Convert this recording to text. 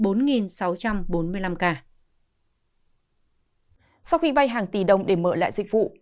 sau khi bay hàng tỷ đồng để mở lại dịch vụ